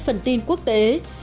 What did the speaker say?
phần tin quốc tế